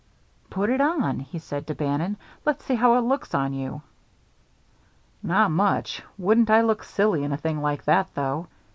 "Put it on," he said to Bannon. "Let's see how it looks on you." "Not much. Wouldn't I look silly in a thing like that, though?